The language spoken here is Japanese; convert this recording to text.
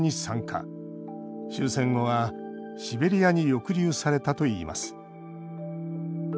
終戦後はシベリアに抑留されたといいます。